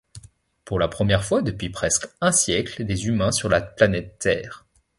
Pour la première fois depuis presque un siècle des humains sur la planète Terre.